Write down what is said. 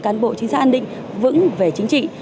cán bộ chính sách an ninh vững về chính trị